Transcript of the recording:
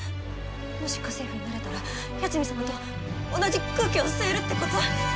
もし家政婦になれたら八海サマと同じ空気を吸えるってこと！？